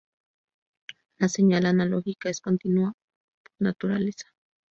Una señal analógica es continua por naturaleza.